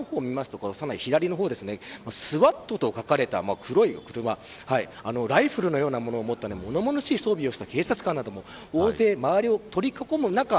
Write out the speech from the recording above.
とにかく下の方を見るとＳＷＡＴと書かれた黒い車ライフルのような物を持った物々しい装備をした警察官なども大勢、周りを取り囲む中